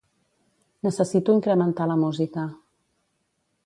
Necessito incrementar la música.